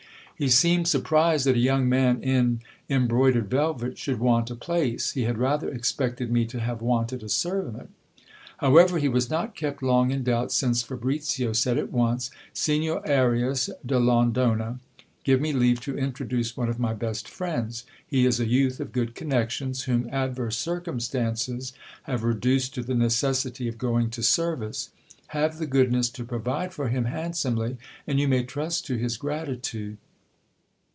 He seemed surprised that a young man in embroidered velvet should want a place ; he had rather expected me to have wanted a servant. However, he was not kept long in doubt, since Fabricio said at once : Signor Arias de Londona, give me leave to introduce one of my best friends. He is a youth of good connections, whom adverse circumstances have reduced to the necessity of going to service. Have the goodness to provide for him handsomely, and you may trust to his gratitude.